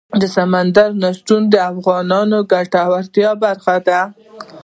سمندر نه شتون د افغانانو د ګټورتیا برخه ده.